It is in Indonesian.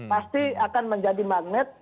pasti akan menjadi magnet